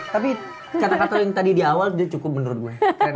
tapi kata kata yang tadi di awal dia cukup menurut gue